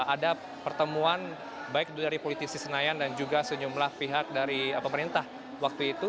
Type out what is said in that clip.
ada pertemuan baik dari politisi senayan dan juga sejumlah pihak dari pemerintah waktu itu